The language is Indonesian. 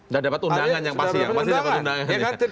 dan dapat undangan yang pasti